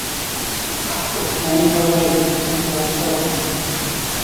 Many were raped and bore children.